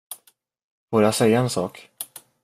Får jag säga en sak?